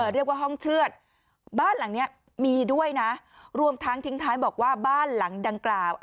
เรียกว่าห้องเชือดบ้านหลังนี้มีด้วยนะรวมทั้งทิ้งท้ายบอกว่าบ้านหลังดังกล่าว